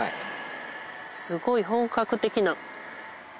すごい本格的な。